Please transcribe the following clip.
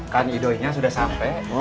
kan idoi nya sudah sampai